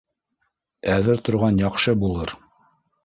Әҙер торған яҡшы булыр.